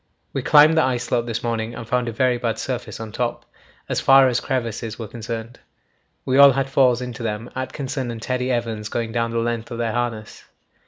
We climbed the ice slope this morning and found a very bad surface on top, as far as crevasses were concerned. We all had falls into them, Atkinson and Teddy Evans going down the length of their harness.